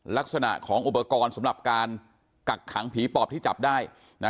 ลักษณะของอุปกรณ์สำหรับการกักขังผีปอบที่จับได้นะ